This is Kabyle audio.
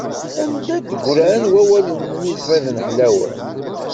Anda d-ggran wawalen-nni ẓiden ḥlawen?